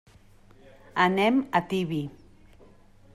Anem a Tibi.